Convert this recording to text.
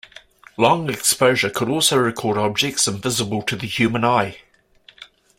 Long exposure could also record objects invisible to the human eye.